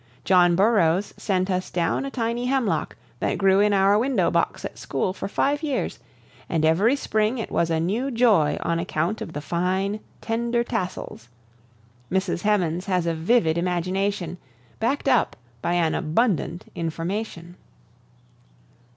John Burroughs sent us down a tiny hemlock, that grew in our window box at school for five years, and every spring it was a new joy on account of the fine, tender tassels. Mrs. Hemans had a vivid imagination backed up by an abundant information.